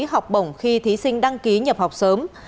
học bổng khi thí sinh đăng ký nhập học sớm